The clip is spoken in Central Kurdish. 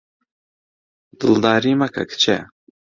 دڵداری مەکە کچێ